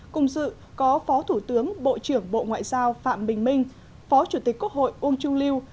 cùng dự có phó thủ tướng bộ trưởng bộ ngoại giao phạm bình minh phó chủ tịch quốc hội uông chu liêu